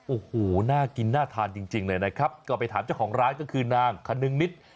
โอ้โหน่ากินน่าทานจริงเลยนะครับก็ไปถามเจ้าของร้านก็คือนางคนนึงนิด